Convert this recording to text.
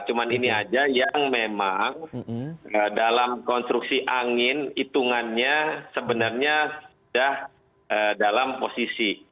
cuma ini aja yang memang dalam konstruksi angin hitungannya sebenarnya sudah dalam posisi